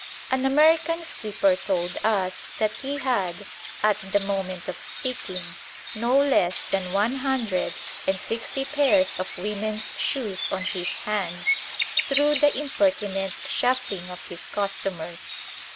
An American skipper told us that he had, at the moment of speaking, no less than one hundred and sixty pairs of women's shoes on his hands, through the impertinent shuffling of his customers.